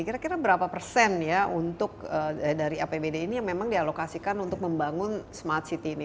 kira kira berapa persen ya untuk dari apbd ini yang memang dialokasikan untuk membangun smart city ini